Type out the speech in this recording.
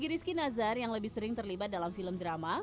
rizky nazar yang lebih sering terlibat dalam film drama